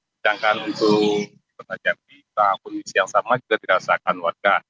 sedangkan untuk di kota jambi dalam kondisi yang sama juga dirasakan warga